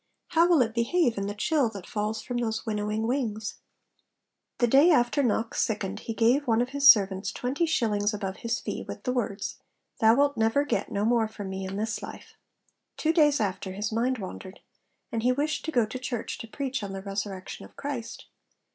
How will it behave in the chill that falls from those winnowing wings? The day after Knox sickened he gave one of his servants twenty shillings above his fee, with the words, 'Thou wilt never get no more from me in this life.' Two days after, his mind wandered; and he wished to go to church 'to preach on the resurrection of Christ.'